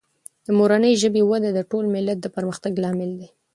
د مورنۍ ژبې وده د ټول ملت د پرمختګ لامل دی.